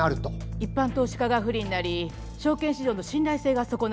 一般投資家が不利になり証券市場の信頼性が損なわれますので。